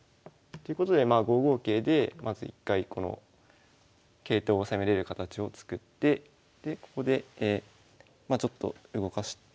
ということでまあ５五桂でまず一回この桂頭を攻めれる形を作ってでここでまあちょっと動かし。